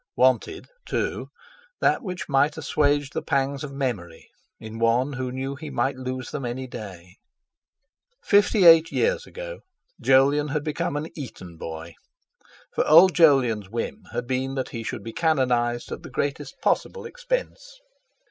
"Wanted"—too, that which might assuage the pangs of memory in one who knew he might lose them any day! Fifty eight years ago Jolyon had become an Eton boy, for old Jolyon's whim had been that he should be canonised at the greatest possible expense.